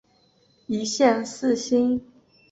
并且药材专利可能伤害大众用药权利。